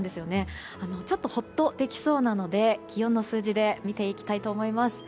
ちょっとほっとできそうなので気温の数字で見ていきたいと思います。